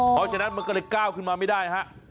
เพราะฉะนั้นมันก็เลยก้าวขึ้นมาไม่ได้ฮะ